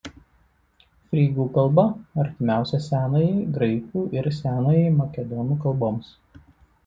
Frygų kalba artimiausia senajai graikų ir senajai makedonų kalboms.